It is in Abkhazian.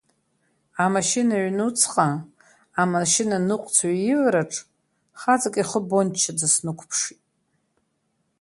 Амашьына аҩнуҵҟа, амашьынаныҟәцаҩ ивараҿ, хаҵак ихы бончаӡа снықәԥшит.